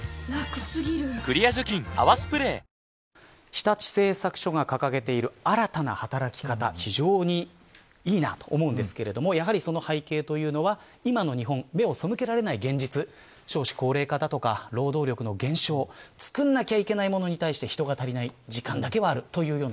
日立製作所が掲げている新たな働き方非常にいいなと思うんですがその背景というのは今の日本、目を背けられない現実少子高齢化だとか労働力の減少。作らなければいけないものに対して人が足りない。